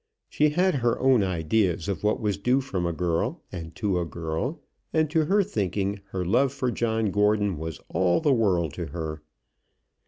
She had her own ideas of what was due from a girl and to a girl, and to her thinking her love for John Gordon was all the world to her.